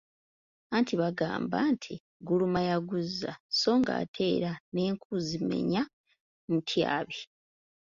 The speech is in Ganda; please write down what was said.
Anti bagamba nti, "Guluma yaguza…."so ng'ate era "n'enku zimenya mutyabi".